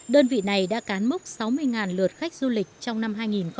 đơn vị này đã cán mốc sáu mươi lượt khách du lịch trong năm hai nghìn một mươi tám